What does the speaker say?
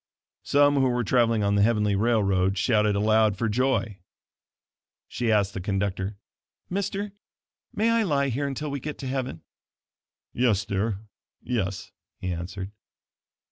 Some who were traveling on the heavenly railroad shouted aloud for joy. She asked the conductor: "Mister, may I lie here until we get to heaven?" "Yes, dear, yes," he answered.